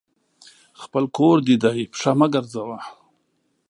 خپل کور دي دی ، پښه مه ګرځوه !